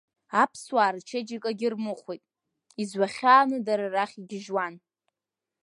Аԥсуаа рчеиџьыкагьы рмыхәеит, изҩа-хьааны дара рахь игьежьуан…